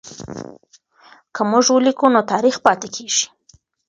که موږ ولیکو نو تاریخ پاتې کېږي.